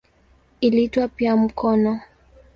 Iliitwa pia "mkono".